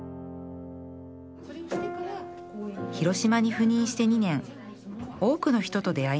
広島に赴任して２年多くの人と出会いました